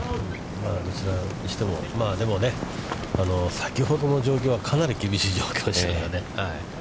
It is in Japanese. どちらにしてもでも、先ほどの状況はかなり厳しい状況でしたからね。